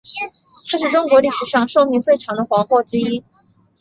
她是中国历史上寿命最长的皇后之一。